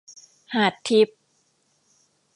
หาดทิพย์